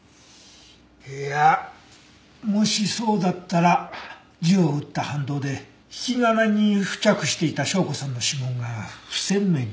いやもしそうだったら銃を撃った反動で引き金に付着していた紹子さんの指紋が不鮮明になる。